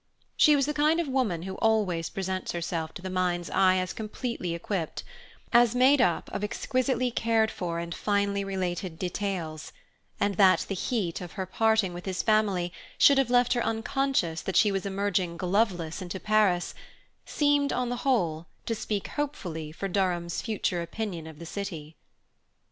She was the kind of woman who always presents herself to the mind's eye as completely equipped, as made up of exquisitely cared for and finely related details; and that the heat of her parting with his family should have left her unconscious that she was emerging gloveless into Paris, seemed, on the whole, to speak hopefully for Durham's future opinion of the city.